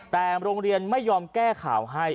แต่โรงเรียนไม่ยอมแก้ข่าวให้